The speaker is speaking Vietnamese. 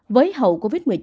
với hậu covid một mươi chín